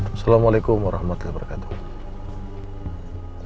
assalamualaikum warahmatullah wabarakatuh